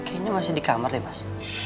kayanya masih di kamar deh mas